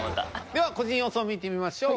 では個人予想見てみましょう。